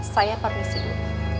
saya permisi dulu